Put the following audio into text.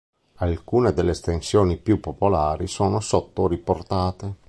Alcune delle estensioni più popolari sono sotto riportate.